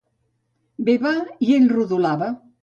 Bé va; i ell rodolava.